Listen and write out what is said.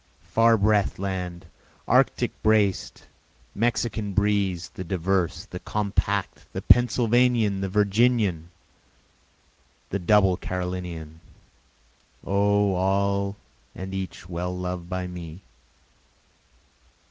Far breath'd land! Arctic braced! Mexican breez'd! the diverse! the compact! The Pennsylvanian! the Virginian! the double Carolinian! O all and each well loved by me!